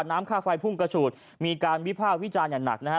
น้ำค่าไฟพุ่งกระฉูดมีการวิภาควิจารณ์อย่างหนักนะฮะ